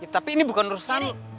tapi ini bukan urusan